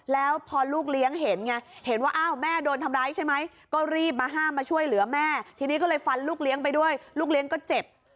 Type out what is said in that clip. แล้วพอลูกเลี้ยงเห็นไงเห็นว่าอ้าวแม่โดนทำร้ายใช่ไหมก็รีบมาห้ามมาช่วยเหลือแม่ทีนี้ก็เลยฟันลูกเลี้ยงไปด้วยลูกเลี้ยงก็เจ็บ